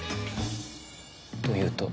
というと？